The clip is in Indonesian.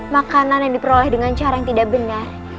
makanan yang diperoleh dengan cara yang tidak benar